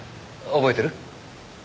覚えてる？